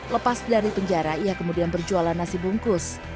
lepas dari penjara ia kemudian berjualan nasi bungkus